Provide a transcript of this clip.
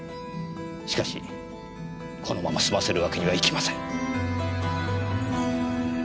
しかしこのまますませるわけにはいきません。